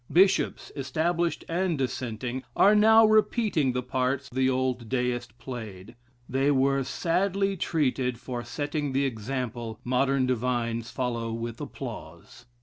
Bishops, established and dissenting, are now repeating the parts the old Deiste played. They were sadly treated for setting the example, modern divines follow with applause.